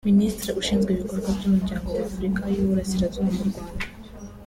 Minisitiri ushinzwe ibikorwa by’Umuryango wa Afurika y’u Burasirazuba mu Rwanda